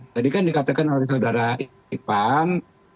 tadi kan dikatakan oleh saudara ipang